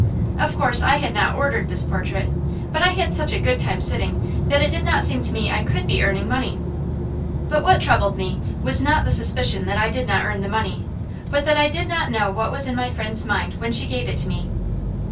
Of course I had not ordered this portrait, but I had such a good time sitting that it did not seem to me I could be earning money. But what troubled me was not the suspicion that I did not earn the money, but that I did not know what was in my friend's mind when she gave it to me.